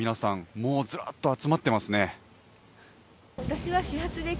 もうずらっと集まっていますね。